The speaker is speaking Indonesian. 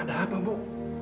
ada apa bu